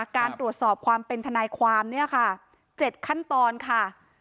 การตรวจสอบความเป็นทนายความเนี่ยค่ะ๗ขั้นตอนค่ะ